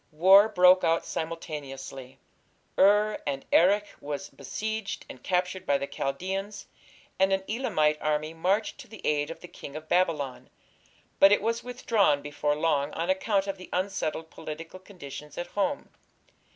War broke out simultaneously. Ur and Erech were besieged and captured by the Chaldaeans, and an Elamite army marched to the aid of the King of Babylon, but it was withdrawn before long on account of the unsettled political conditions at home.